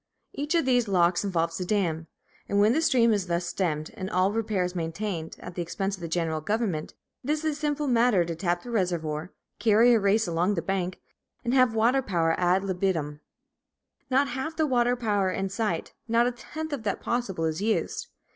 Each of these locks involves a dam; and when the stream is thus stemmed and all repairs maintained, at the expense of the general government, it is a simple matter to tap the reservoir, carry a race along the bank, and have water power ad libitum. Not half the water power in sight, not a tenth of that possible is used.